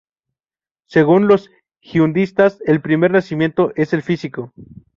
Según los hinduistas, el primer nacimiento es el físico.